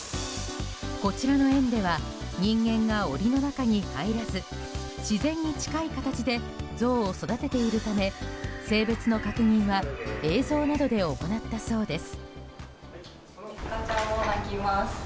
こちらの園では人間が檻の中に入らず自然に近い形でゾウを育てているため性別の確認は映像などで行ったそうです。